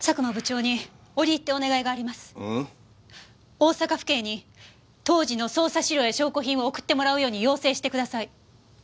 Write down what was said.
大阪府警に当時の捜査資料や証拠品を送ってもらうように要請してください。